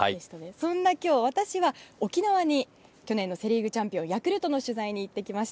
そんな今日、私は沖縄の去年のセ・リーグチャンピオンヤクルトの取材に行ってきました。